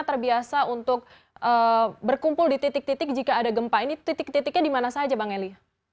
terbiasa untuk berkumpul di titik titik jika ada gempa ini titik titiknya di mana saja bang eli